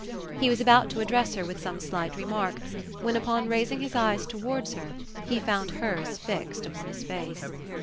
He was about to address her with some slight remark, when, upon raising his eyes towards her, he found hers fixed upon his face.